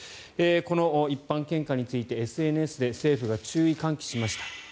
この一般献花について、ＳＮＳで政府が注意喚起しました。